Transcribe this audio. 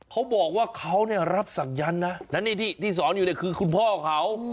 เขาบอกว่าเขาเนี่ยรับศักยันต์นะและนี่ที่สอนอยู่เนี่ยคือคุณพ่อเขา